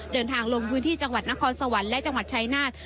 ลงพื้นที่จังหวัดนครสวรรค์และจังหวัดชายนาฏ